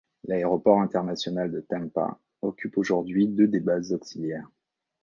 L’aéroport international de Tampa occupe aujourd’hui deux des bases auxiliaires.